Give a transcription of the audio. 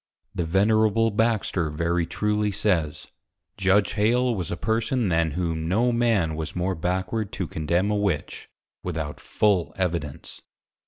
The Venerable Baxter very truly says, _Judge +Hale+ was a Person, than whom, no Man was more Backward to Condemn a Witch, without full Evidence.